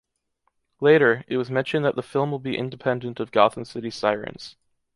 Later, it was mentioned that the film will be independent of Gotham City Sirens.